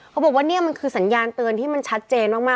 บอกว่านี่มันคือสัญญาณเตือนที่มันชัดเจนมาก